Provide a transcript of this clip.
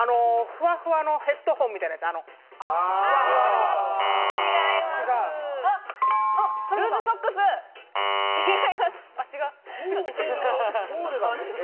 ふわふわのヘッドホンみたい違います。